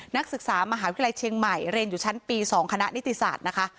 นักศึกษามหาวิทยาลัยเชียงใหม่เรียนอยู่ชั้นปี๒คณะนิติศาสตร์นะคะ